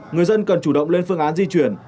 người dân cần chủ động lên phương án di chuyển